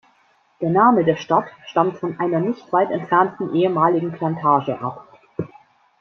Der Name der Stadt stammt von einer nicht weit entfernten ehemaligen Plantage ab.